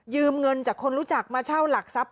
เงินจากคนรู้จักมาเช่าหลักทรัพย